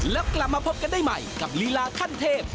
แล้วกลับมาพบกันได้ใหม่กับลีลาขั้นเทพ